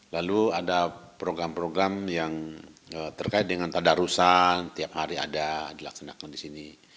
lalu ada program program yang terkait dengan tadarusan tiap hari ada dilaksanakan di sini